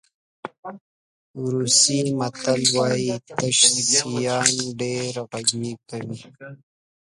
روسي متل وایي تش شیان ډېر غږ کوي.